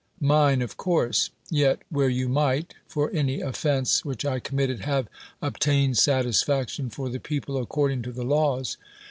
^lint^ of course. Yet, where you might, for any (iirctise. which I committed, have obtained s;ii isi'. ic tion for the people according to the l;nvs.